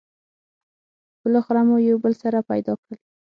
بالاخره مو یو بل سره پيدا کړل.